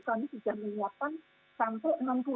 kami sudah menyiapkan